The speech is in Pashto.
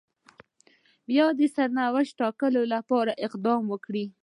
بيا دې د سرنوشت ټاکلو لپاره اقدامات وکړي.